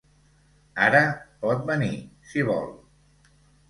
Ara, pot venir, si vol.